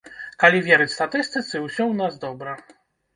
Калі верыць статыстыцы, усё ў нас добра.